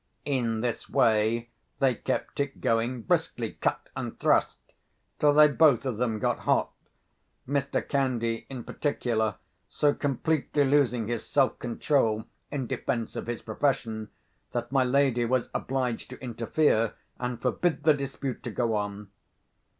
In this way, they kept it going briskly, cut and thrust, till they both of them got hot—Mr. Candy, in particular, so completely losing his self control, in defence of his profession, that my lady was obliged to interfere, and forbid the dispute to go on.